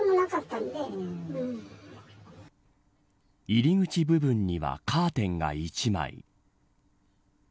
入り口部分にはカーテンが１枚。